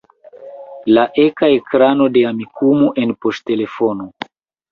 La eka ekrano de Amikumu en poŝtelefono.